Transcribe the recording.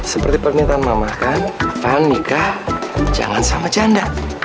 seperti permintaan mama kan nikah jangan sama janda